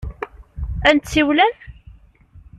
Ad n-tsiwlem?